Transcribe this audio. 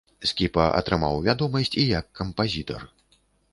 Скіпа атрымаў вядомасць і як кампазітар.